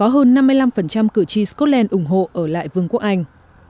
hơn năm mươi năm cử tri scotland ủng hộ ở lại vương quốc anh